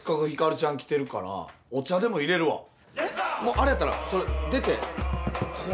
あれやったらそれ出てここ！